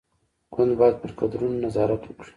ګوند باید پر کادرونو نظارت وکړي.